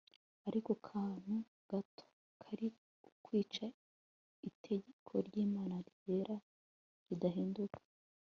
ako kantu gato kari ukwica itegeko ry'imana ryera ridahinduka